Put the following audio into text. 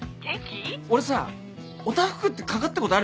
俺さおたふくってかかったことあるよね。